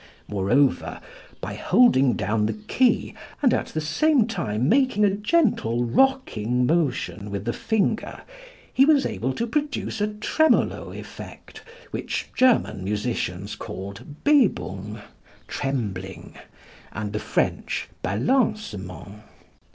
Moreover, by holding down the key and at the same time making a gentle rocking motion with the finger he was able to produce a tremolo effect which German musicians called Bebung (trembling), and the French balancement.